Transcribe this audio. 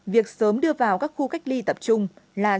việc sớm đưa vào các khu cách ly tập trung là sự chủ động đilining